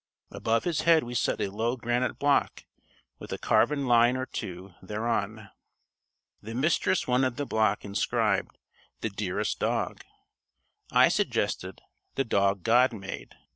Above his head we set a low granite block, with a carven line or two thereon. The Mistress wanted the block inscribed: "The Dearest Dog!" I suggested: "The Dog God Made."